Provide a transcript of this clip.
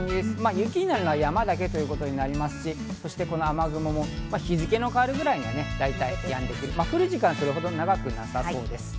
雪になるのは山だけとなりますし、この雨雲も日付が変わるくらいには大体通り過ぎて、降る時間はそれほど長くなさそうです。